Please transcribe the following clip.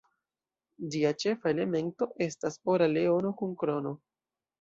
Ĝia ĉefa elemento estas ora leono kun krono.